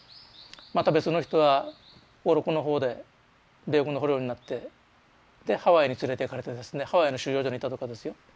また別の人は小禄の方で米軍の捕虜になってでハワイに連れていかれてですねハワイの収容所にいたとかですよ。